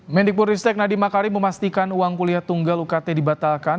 mendikbud ristek nadiem makarim memastikan uang kuliah tunggal ukt dibatalkan